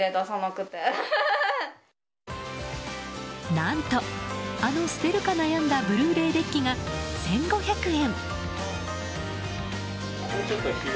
何と、あの捨てるか悩んだブルーレイデッキが１５００円。